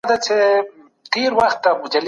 فردي حقونه د دولتونو له خوا ساتل کیږي.